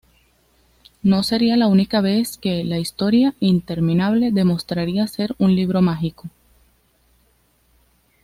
No sería la única vez que "La Historia Interminable" demostraría ser un libro mágico.